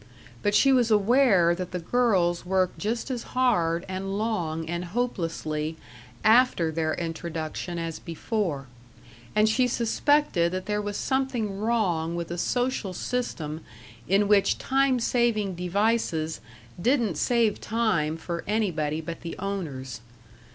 But she was aware that the girls worked just as hard and long and hopelessly after their introduction as before; and she suspected that there was something wrong with a social system in which time saving devices didn't save time for anybody but the owners.